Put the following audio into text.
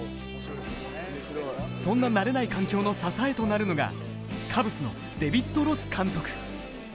そんな慣れない環境の支えとなるのが、カブスのデビッド・ロス監督。